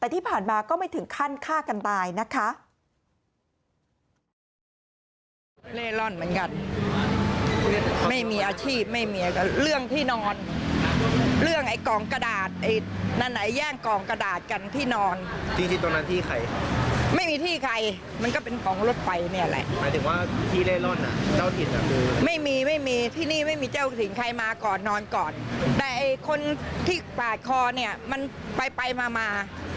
แต่ที่ผ่านมาก็ไม่ถึงขั้นฆ่ากันตายนะคะ